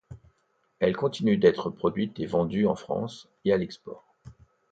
Elles continuent d’être produites et vendues en France et à l’export.